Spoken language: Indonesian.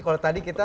kalau tadi kita